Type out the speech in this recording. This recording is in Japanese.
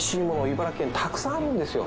茨城県たくさんあるんですよ。